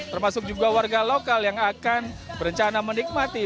termasuk juga warga lokal yang akan berencana menikmati